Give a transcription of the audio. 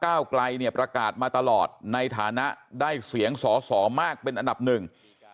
ไกลเนี่ยประกาศมาตลอดในฐานะได้เสียงสอสอมากเป็นอันดับหนึ่ง